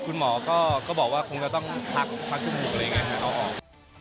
คุณหมอก็บอกว่าคงจะต้องชักจมูกอะไรอย่างนี้ค่ะเอาออก